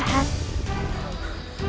sudah tiga bulan